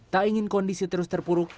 tak ingin kondisi terus terpuruk